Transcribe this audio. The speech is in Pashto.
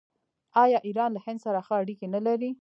آیا ایران له هند سره ښه اړیکې نلري؟